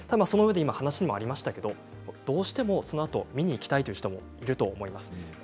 話にもありましたけれどもどうしても見に行きたいという人もいると思います。